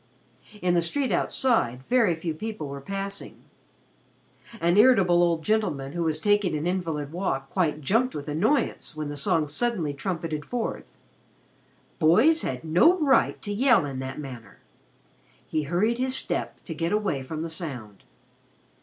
In the street outside very few people were passing. An irritable old gentleman who was taking an invalid walk quite jumped with annoyance when the song suddenly trumpeted forth. Boys had no right to yell in that manner. He hurried his step to get away from the sound.